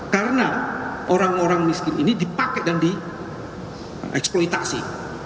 karena orang orang miskin ini dipakai dan dieksploitasi